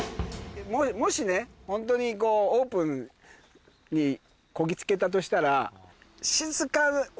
もしねホントにこうオープンにこぎ着けたとしたら。